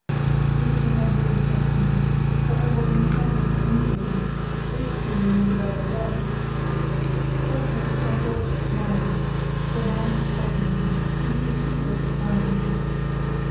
These were nebulous questions, but I was in fettle for anything; boat stealing was a bagatelle. Fortune, I thought, smiled; Romance beckoned; even the sea looked kind.